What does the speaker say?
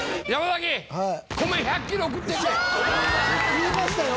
言いましたよ！